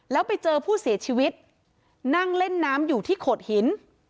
แล้วไปเจอผู้เสียชีวิตนั่งเล่นน้ำอยู่ที่โขดหิน